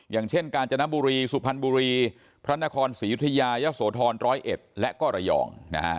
อย่างเช่นกาญจนบุรีสุพรรณบุรีพระนครศรียุธยายะโสธร๑๐๑และก็ระยอง